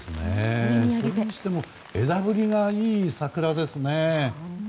それにしても枝ぶりがいい桜ですね。